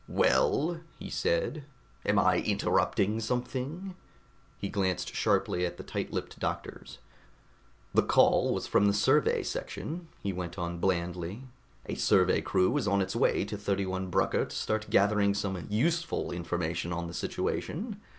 "Well?" he said. "Am I interrupting something?" He glanced sharply at the tight lipped doctors. "The call was from the survey section," he went on blandly. "A survey crew is on its way to 31 Brucker to start gathering some useful information on the situation.